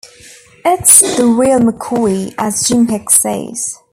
It's the 'real McCoy,' as Jim Hicks says.